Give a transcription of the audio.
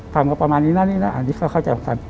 ทำก็ประมาณนี้น่ะนี่น่ะอันนี้เขาเข้าใจมากัน